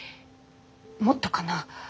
もっとかな。